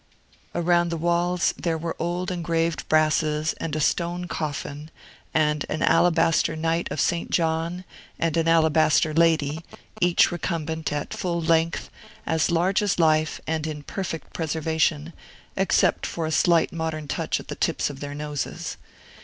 Around the walls there were old engraved brasses, and a stone coffin, and an alabaster knight of Saint John, and an alabaster lady, each recumbent at full length, as large as life, and in perfect preservation, except for a slight modern touch at the tips of their noses.